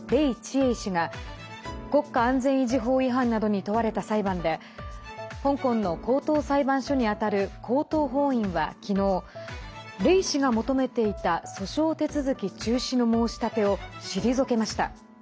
英氏が国家安全維持法違反などに問われた裁判で香港の高等裁判所に当たる高等法院は昨日黎氏が求めていた訴訟手続き中止の申し立てを退けました。